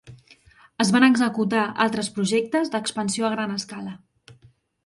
Es van executar altres projectes d'expansió a gran escala.